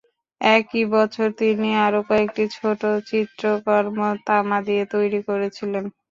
একই বছর তিনি আরও কয়েকটি ছোট চিত্রকর্ম তামা দিয়ে তৈরি করেছিলেন।